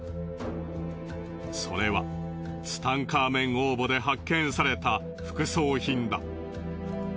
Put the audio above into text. それはツタンカーメン王墓で発見された副葬品だ。